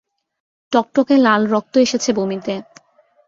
টকটকে লাল রক্ত এসেছে বমিতে।